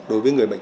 đối với người bệnh